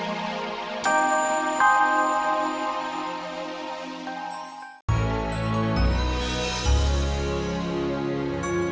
pak pak berhenti bentar dong pak